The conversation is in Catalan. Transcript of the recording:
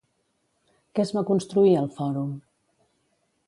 Què es va construir al fòrum?